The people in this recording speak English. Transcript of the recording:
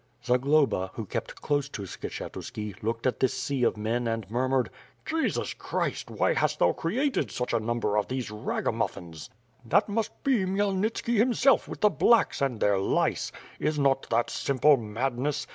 Zagloba, who kept close to Skshetuski, looked at this sea of men, and murmured: "Jesus Christ! Why hast thou created such a number of these ragamuffins! "That must be Khymelnitski himself with the 'Slacks" and their lice. Is not that simple madness.